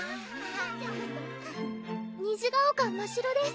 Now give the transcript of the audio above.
虹ヶ丘ましろです